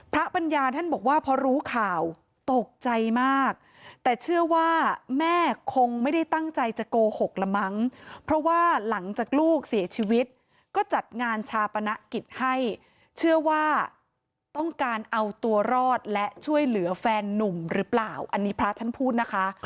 ปัญญาท่านบอกว่าพอรู้ข่าวตกใจมากแต่เชื่อว่าแม่คงไม่ได้ตั้งใจจะโกหกละมั้งเพราะว่าหลังจากลูกเสียชีวิตก็จัดงานชาปนกิจให้เชื่อว่าต้องการเอาตัวรอดและช่วยเหลือแฟนนุ่มหรือเปล่าอันนี้พระท่านพูดนะคะ